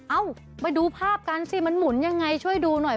เอ้าไปดูภาพกันสิมันหมุนยังไงช่วยดูหน่อย